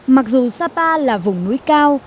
mặc dù sapa là vùng núi cao